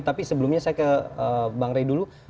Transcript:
tapi sebelumnya saya ke bang rey dulu